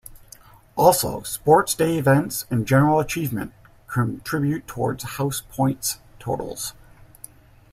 Also, sports day events and general achievement contribute towards house points totals.